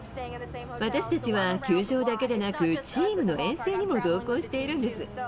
私たちは球場だけでなく、チームの遠征にも同行しているんです。